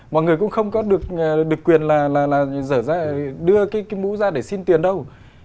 mọi người cũng không có được quyền là đưa cái mũ ra để xin tiền đâu